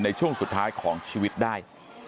ในช่วงสุดท้ายของชีวิตได้